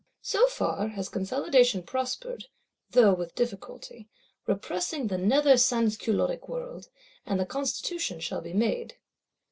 So far has Consolidation prospered, though with difficulty; repressing the Nether Sansculottic world; and the Constitution shall be made.